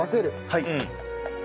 はい。